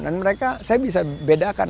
dan mereka saya bisa bedakan